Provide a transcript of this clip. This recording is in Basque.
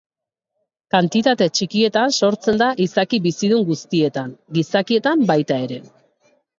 Kantitate txikietan sortzen da izaki bizidun guztietan, gizakietan baita ere.